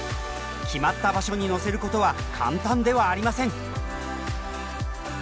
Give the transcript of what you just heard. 決まった場所に乗せることは簡単ではありません。